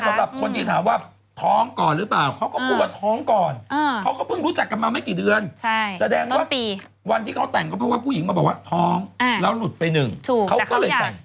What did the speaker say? สำหรับคนที่ถามว่าท้องก่อนหรือเปล่าเขาก็กลัวท้องก่อนเขาก็เพิ่งรู้จักกันมาไม่กี่เดือนแสดงว่าวันที่เขาแต่งก็เพราะว่าผู้หญิงมาบอกว่าท้องแล้วหลุดไปหนึ่งเขาก็เลยแต่ง